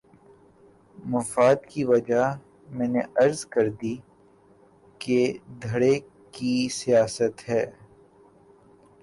مفاد کی وجہ میں نے عرض کر دی کہ دھڑے کی سیاست ہے۔